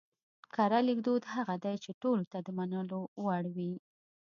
کره ليکدود هغه دی چې ټولو ته د منلو وړ وي